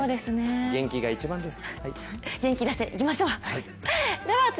元気が一番です。